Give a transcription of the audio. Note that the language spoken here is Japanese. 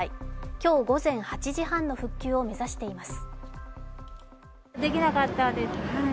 今日午前８時半の復旧を目指しています。